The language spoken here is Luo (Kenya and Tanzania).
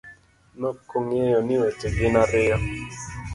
Nokong'eyo ni weche gin ariyo;